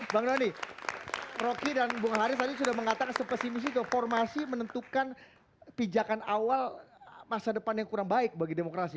bang roni rocky dan bung haris tadi sudah mengatakan sepesimis itu formasi menentukan pijakan awal masa depan yang kurang baik bagi demokrasi